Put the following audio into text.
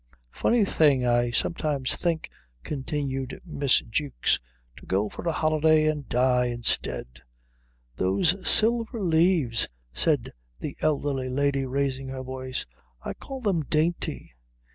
"Funny thing, I sometimes think," continued Miss Jewks, "to go for a holiday and die instead." "Those silver leaves " said the elderly lady, raising her voice, "I call them dainty."